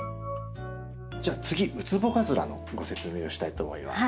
じゃあ次ウツボカズラのご説明をしたいと思います。